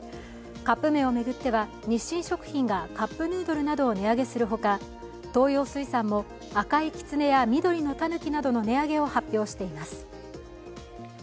カップ麺を巡っては日清食品がカップヌードルなどを値上げするほか東洋水産も赤いきつねや緑のたぬきなどの値上げを発表しています。